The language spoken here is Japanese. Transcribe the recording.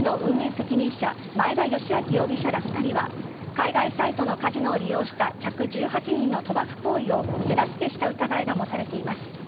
責任者前田由顕容疑者ら２人は海外サイトのカジノを利用した客１８人の賭博行為を手助けした疑いが持たれています。